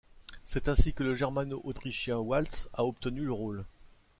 C'est ainsi que le germano-autrichien Waltz a obtenu le rôle.